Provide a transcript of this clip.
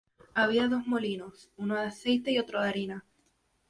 Había dos molinos, uno de aceite y otro de harina.